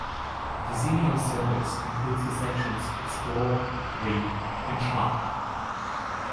The Zinio service includes the sections "Explore", "Read", and "Shop".